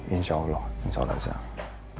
insya allah insya allah sehat